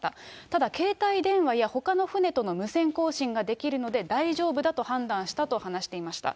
ただ携帯電話やほかの船との無線交信ができるので、大丈夫だと判断したと話していました。